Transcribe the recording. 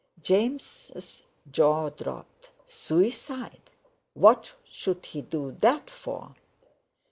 James' jaw dropped. "Suicide! What should he do that for?"